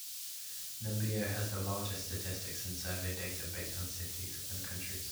Numbeo has the largest statistics and survey data based on cities and countries.